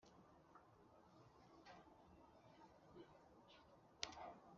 yanjyanye kukazi gusa mumutima wanjye